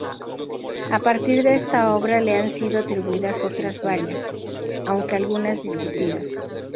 A partir de esta obra le han sido atribuidas otras varias, aunque algunas discutidas.